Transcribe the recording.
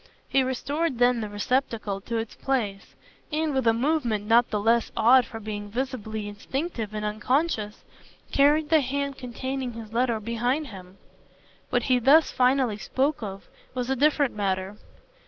He restored then the receptacle to its place and, with a movement not the less odd for being visibly instinctive and unconscious, carried the hand containing his letter behind him. What he thus finally spoke of was a different matter.